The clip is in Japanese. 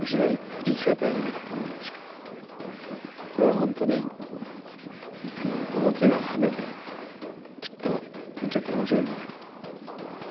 これは本当に動きが派手できっと見てて面白いんじゃないかと思う。